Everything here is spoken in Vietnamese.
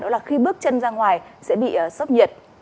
đó là khi bước chân ra ngoài sẽ bị sốc nhiệt